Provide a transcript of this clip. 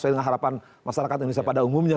soal harapan masyarakat indonesia pada umumnya